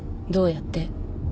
どうやって？